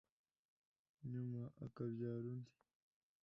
nyuma akabyara andi